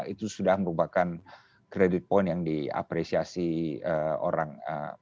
itu sudah merupakan credit point yang diapresiasi orang